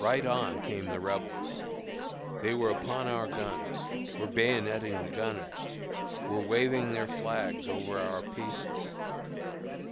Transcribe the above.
Right on came the Rebels. They were upon our guns were bayoneting the gunners were waving their flags over our pieces.